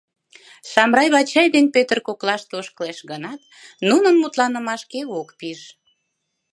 Шамрай Вачай ден Пӧтыр коклаште ошкылеш гынат, нунын мутланымашке ок пиж.